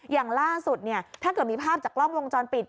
อย่างล่าสุดถ้าเกิดมีภาพจากกล้องวงจรปิด